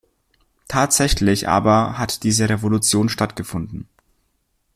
Tatsächlich aber hat diese Revolution stattgefunden.